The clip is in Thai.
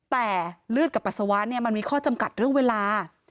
แต่เลือดกับปัสสาวะเนี่ยมันมีข้อจำกัดเรื่องเวลา